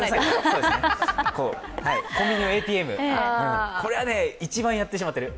コンビニＡＴＭ、これは一番やってしまっている。